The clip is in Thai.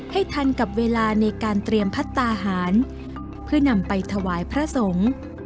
ทันกับเวลาในการเตรียมพัฒนาหารเพื่อนำไปถวายพระสงฆ์